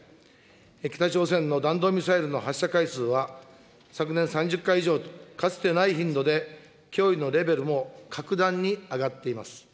北朝鮮の弾道ミサイルの発射回数は、昨年３０回以上と、かつてない頻度で脅威のレベルも格段に上がっています。